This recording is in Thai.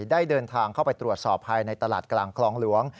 ได้เดินทางเข้าไปตรวจสอบภายในตลาดกลางคลองหลวง